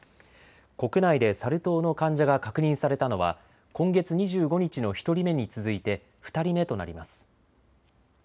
国内でサル痘の患者が確認されたのは今月２５日の１人目に続いて２人目となります。